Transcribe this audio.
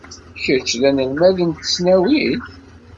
Kečč d anelmad n tesnawit?